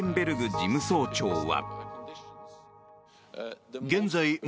事務総長は。